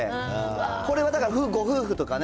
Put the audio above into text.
これはだからご夫婦とかね。